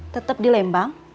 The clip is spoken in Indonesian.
tetap di lembang